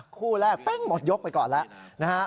คู่แรกหมดยกไปก่อนแล้ว